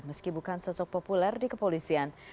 meski bukan sosok populer di kepolisian